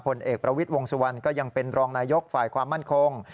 เอกประวิทย์วงสุวรรณก็ยังเป็นรองนายกฝ่ายความมั่นคง